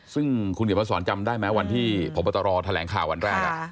ซึ่งคุณเขียนมาสอนจำได้ไหมวันที่พบตรแถลงข่าววันแรก